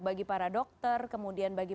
bagi para dokter kemudian bagi